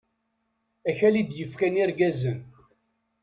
Akal i d-yefkan irgazen.